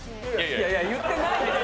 いやいや言ってないです。